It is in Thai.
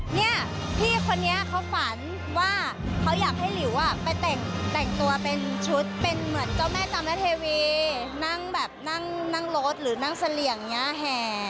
เนี่ยพี่คนนี้เขาฝันว่าเขาอยากให้หลิวอ่ะไปแต่งตัวเป็นชุดเป็นเหมือนเจ้าแม่จามเทวีนั่งแบบนั่งรถหรือนั่งเสลี่ยงอย่างนี้แห่